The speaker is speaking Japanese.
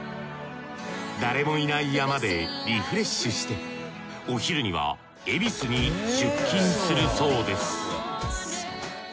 誰もいない山でリフレッシュしてお昼には恵比寿に出勤するそうです